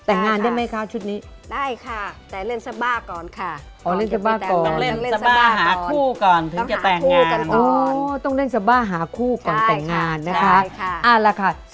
เอกลักษณ์ของมอนค่ะ